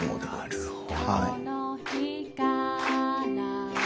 なるほど。